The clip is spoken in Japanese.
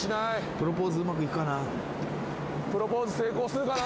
「プロポーズうまくいくかな？」